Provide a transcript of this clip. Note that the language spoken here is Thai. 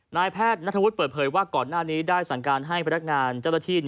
นายแพทย์นัทธวุฒิเปิดเผยว่าก่อนหน้านี้ได้สั่งการให้พนักงานเจ้าหน้าที่